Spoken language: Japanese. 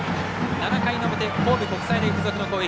７回の表、神戸国際大付属の攻撃。